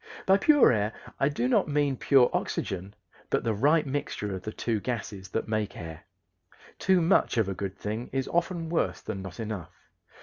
By pure air I do not mean pure oxygen, but the right mixture of the two gases that make air. Too much of a good thing is often worse than not enough.